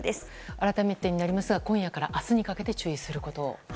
改めてになりますが今夜から明日にかけて注意と。